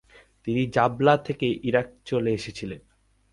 তিনি জাবলাহ থেকে ইরাক চলে এসেছিলেন।